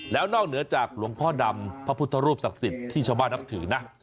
แล้วนอกเหนือจากหลวงพ่อดำพระพุทธรูปศักดิ์สิทธิ์ที่ชาวบ้านนับถือนะ